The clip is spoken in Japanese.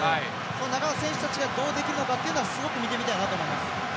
その中の選手たちがどうできるのかというのはすごく見てみたいなと思います。